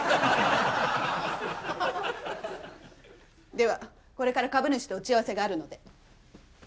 ではこれから株主と打ち合わせがあるので。